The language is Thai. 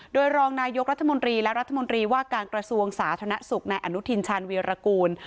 โดยรองนายกรัฐมนตรีและรัฐมนตรีว่าการกระทรวงสาธารณสุขในอนุทินชาญวีรกูล